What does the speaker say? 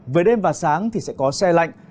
về đêm và sáng thì sẽ có xe lạnh